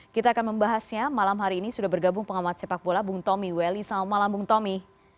kita akan membahasnya malam hari ini sudah bergabung pengamat sepak bola bung tommy welly selamat malam bung tommy